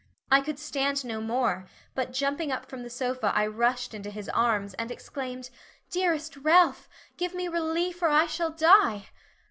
I could stand no more, but jumping up from the sofa, I rushed into his arms and exclaimed: "Dearest Ralph, give me relief or I shall die."